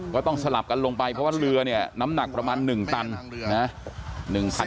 ก็ต้องสลับกันลงไปเพราะว่าเรือเนี่ยน้ำหนักประมาณ๑ตันนะ